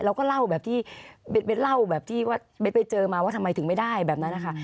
เราก็เล่าแบบที่เบสไปเจอมาว่าทำไมถึงไม่ได้แบบนั้นนะคะ